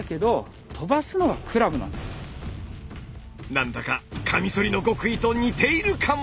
何だかカミソリの極意と似ているかも！